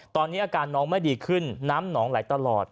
ตอนนี้อาการน้องไม่ดีขึ้นน้ำหนองไหลตลอด